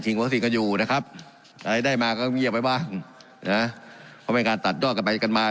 ยกสิ่งว่าขยับมานะครับและมาแล้วก็ผิวบากนะเพราะเป็นการตัดกับไปกันมา